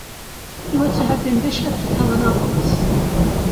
He was to have been Bishop of Helenopolis.